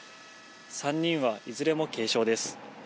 ３人はいずれも軽傷です。